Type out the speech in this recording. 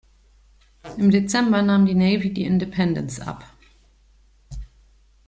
Im Dezember nahm die Navy die "Independence" ab.